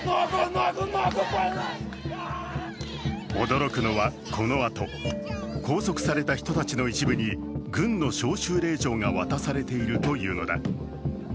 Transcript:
驚くのは、この後、拘束された人たちの一部に軍の招集令状が渡されているというのだ。